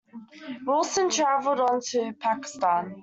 Wilson travelled on to Pakistan.